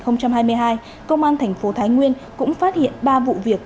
năm hai nghìn hai mươi hai công an thành phố thái nguyên cũng phát hiện ba vụ việc